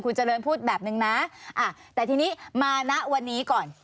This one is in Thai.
เจริญพูดแบบนึงนะแต่ทีนี้มาณวันนี้ก่อน